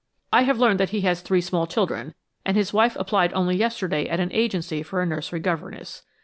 I have learned that he has three small children, and his wife applied only yesterday at an agency for a nursery governess.